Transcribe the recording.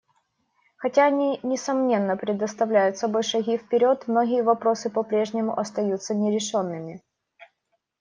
Хотя они, несомненно, представляют собой шаги вперед, многие вопросы по-прежнему остаются нерешенными.